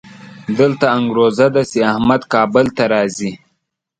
دلته انګروزه ده چې احمد کابل ته راځي.